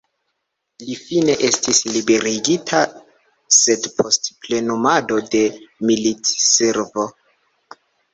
Li fine estis liberigita, sed post plenumado de militservo.